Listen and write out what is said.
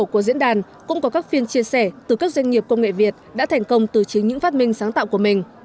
các diễn đàn cũng có các phiên chia sẻ từ các doanh nghiệp công nghệ việt đã thành công từ chính những phát minh sáng tạo của mình